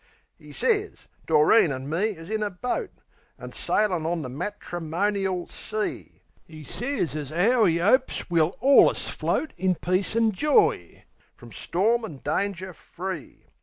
'E sez Doreen an' me is in a boat, An' sailin' on the matrimonial sea. 'E sez as 'ow 'e 'opes we'll allus float In peace an' joy, from storm an' danger free.